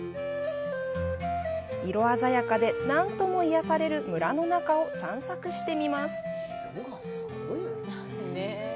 色鮮やかで、なんとも癒やされる村の中を散策してみます。